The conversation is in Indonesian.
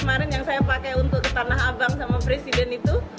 kemarin yang saya pakai untuk tanah abang sama presiden itu